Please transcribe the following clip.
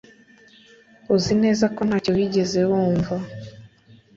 Uzi neza ko ntacyo wigeze wumva?